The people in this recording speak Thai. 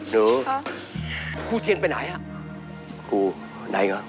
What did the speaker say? รู้ครูเทียนไปไหนอะครูไหนเหรอ